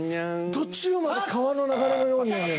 途中まで「川の流れのように」やねん。